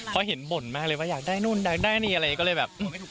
เพราะเห็นบ่นมากเลยว่าอยากได้นู่นอยากได้นี่อะไรก็เลยแบบ